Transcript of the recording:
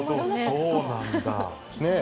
そうなんだ。